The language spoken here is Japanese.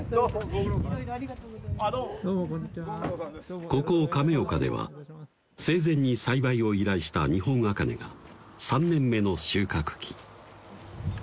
あっどうもどうもこんにちはここ亀岡では生前に栽培を依頼した日本茜が３年目の収穫期